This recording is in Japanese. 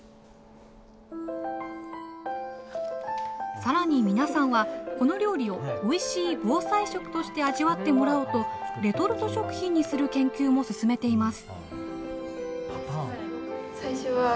更に皆さんはこの料理をおいしい防災食として味わってもらおうとレトルト食品にする研究も進めています。